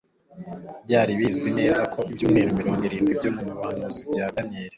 Byari bizwi neza ko ibyumweru mirongo irindwi byo mu buhanuzi bwa Daniyeli,